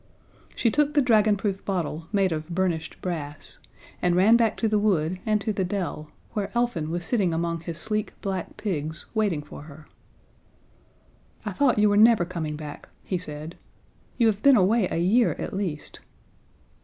She took the dragonproof bottle, made of burnished brass, and ran back to the wood, and to the dell, where Elfin was sitting among his sleek black pigs, waiting for her. "I thought you were never coming back," he said. "You have been away a year, at least."